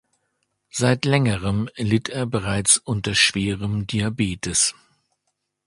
Seit längerem litt er bereits unter schwerem Diabetes.